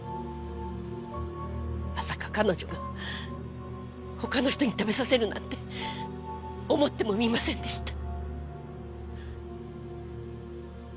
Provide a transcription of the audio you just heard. まさか彼女が他の人に食べさせるなんて思ってもみませんでした。